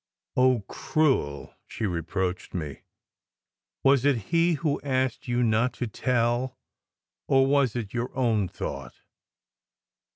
" Oh, cruel !" she reproached me. " Was it he who asked you not to tell, or was it your own thought?"